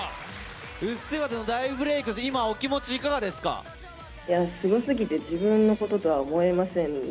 うっせぇわの大ブレーク、すごすぎて自分のこととは思えませんね。